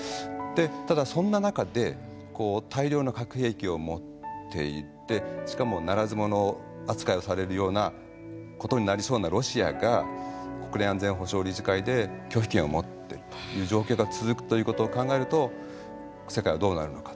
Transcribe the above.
ただそんな中で大量の核兵器を持っていてしかもならず者扱いをされるようなことになりそうなロシアが国連安全保障理事会で拒否権を持っているという状況が続くということを考えると世界はどうなるのかと。